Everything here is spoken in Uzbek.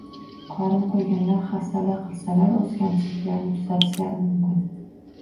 Qorin qo‘yganlar hafsala qilsalar o‘z kamchiliklarini tuzatishlari mumkin.